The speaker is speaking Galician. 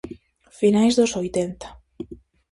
Finais dos oitenta.